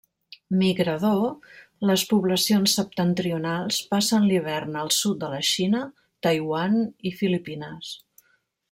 Migrador, les poblacions septentrionals passen l'hivern al sud de la Xina, Taiwan i Filipines.